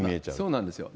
そうなんですよ。